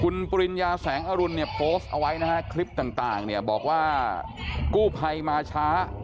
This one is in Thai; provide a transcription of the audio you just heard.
คุณปริญญาแสงอรุณเนี่ยโพสต์เอาไว้นะฮะคลิปต่างเนี่ยบอกว่ากู้ภัยมาช้า